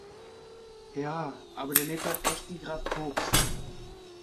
Ja, aber der lebt dort auch echt wie Graf Koks.